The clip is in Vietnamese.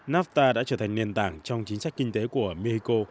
nafta đã trở thành nền tảng trong chính sách kinh tế của mexico